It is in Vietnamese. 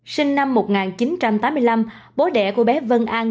sinh năm một nghìn chín trăm tám mươi năm bố đẻ của bé vân an